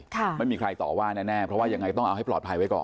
ไม่มีใครต่อว่าแน่แน่เพราะว่ายังไงต้องเอาให้ปลอดภัยไว้ก่อน